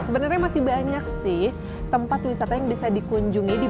sebenarnya masih banyak sih tempat wisata yang bisa dikunjungi